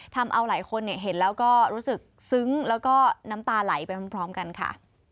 ทำเอาหลายคนเห็นแล้วก็รู้สึกซึ้งแล้วก็น้ำตาไหลไปพร้อมกันค่ะ